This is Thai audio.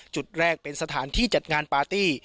จุดแรกเป็นสถานที่จัดงานปาร์ตี้